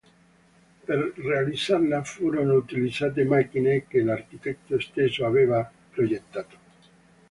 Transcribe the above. Per realizzarla, furono utilizzate macchine che l'architetto stesso aveva progettato.